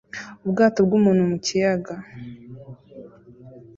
Ubwato bw'umuntu mu kiyaga